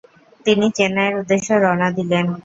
তিনি চেন্নাইয়ের উদ্দেশ্যে রওনা দিলেন।